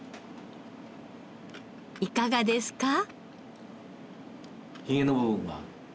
いかがですか？